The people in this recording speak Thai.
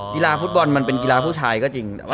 กีฬาฟุตบอลมันเป็นกีฬาผู้ชายก็จริง